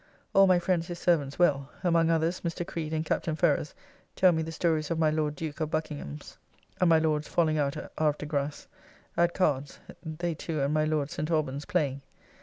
All my friends his servants well. Among others, Mr. Creed and Captain Ferrers tell me the stories of my Lord Duke of Buckingham's and my Lord's falling out at Havre de Grace, at cards; they two and my Lord St. Alban's playing.